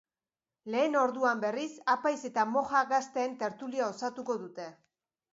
Lehen orduan, berriz, apaiz eta moja gazteen tertulia osatuko dute.